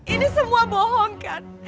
ini semua bohong kan